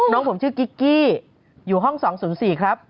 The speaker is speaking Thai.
น้องผมชื่อกิ๊กกี้อยู่ห้อง๒๐๔ครับ